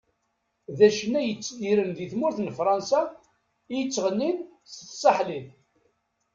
D acennay yettidiren di tmurt n Fransa i yettɣenin s tsaḥlit.